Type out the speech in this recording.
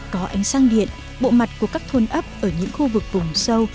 có ánh sang điện bộ mặt của các thôn ấp ở những khu vực vùng sâu